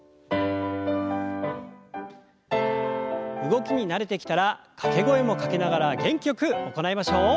動きに慣れてきたら掛け声もかけながら元気よく行いましょう。